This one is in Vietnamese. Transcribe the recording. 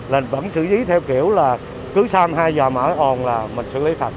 là vẫn xử lý theo kiểu là cứ xăm hai giờ mở ồn là mình xử lý thành